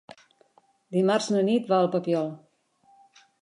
Dimarts na Nit va al Papiol.